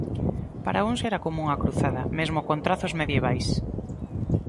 Para uns era coma unha cruzada, mesmo con trazos medievais.